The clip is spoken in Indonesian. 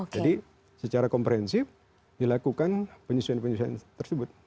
jadi secara komprehensif dilakukan penyesuaian penyesuaian tersebut